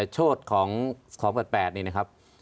โทษอันที่๘นี่นะครับ